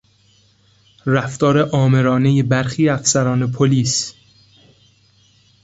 رفتار آمرانهی برخی افسران پلیس